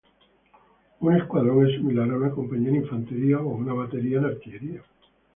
Un escuadrón es similar a una compañía en infantería o una batería en artillería.